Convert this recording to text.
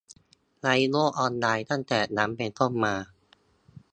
ในโลกออนไลน์ตั้งแต่นั้นเป็นต้นมา